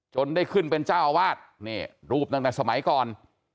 ได้ขึ้นเป็นเจ้าอาวาสนี่รูปตั้งแต่สมัยก่อน